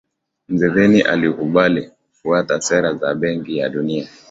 mseveni alikubali kufuata sera za benki ya dunia